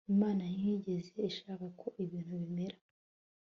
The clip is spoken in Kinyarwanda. Imana ntiyigeze ishaka ko ibintu bimera